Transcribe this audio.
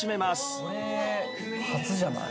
これ初じゃない？